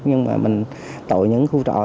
nhưng mà mình tội những khu trọ